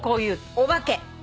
お化け。